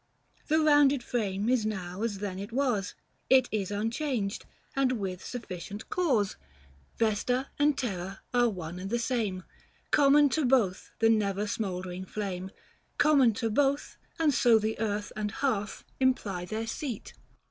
315 The rounded frame is now as then it was, It is unchanged, and with sufficient cause ; Book VI. THE FASTI. 185 Vesta and Terra are one and the same, Common to both the never smouldering flame — Common to both and so the earth and hearth 320 Imply their seat.